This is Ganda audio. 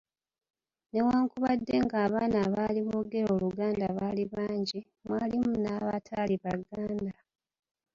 "Newankubadde nga abaana abaali boogera Oluganda baali bangi, mwalimu n’abataali Baganda."